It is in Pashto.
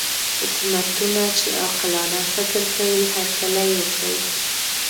حکومتونه چې عاقلانه فکر کوي هرکلی وکړي.